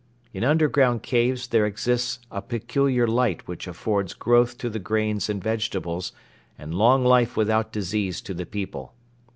In underground caves there exists a peculiar light which affords growth to the grains and vegetables and long life without disease to the people.